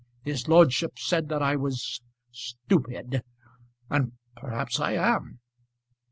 His lordship said that I was stupid; and perhaps I am."